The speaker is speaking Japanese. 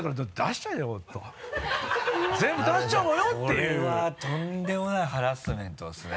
これはとんでもないハラスメントですね。